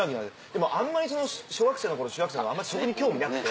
でも小学生の頃中学生の頃あんま食に興味なくて。